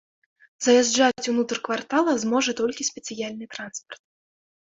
Заязджаць унутр квартала зможа толькі спецыяльны транспарт.